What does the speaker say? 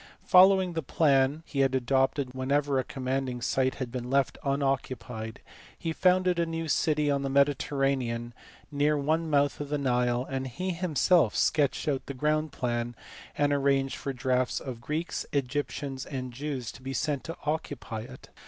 Following the plan he adopted whenever a commanding site had been left unoccupied, he founded a new city on the Mediterranean near one mouth of the Nile ; and he himself sketched out the ground plan, and arranged for drafts of Greeks, Egyptians, and Jews to be sent to occupy it.